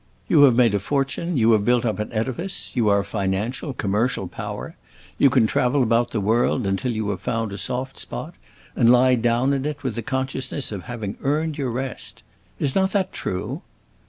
You have made a fortune, you have built up an edifice, you are a financial, commercial power, you can travel about the world until you have found a soft spot, and lie down in it with the consciousness of having earned your rest. Is not that true?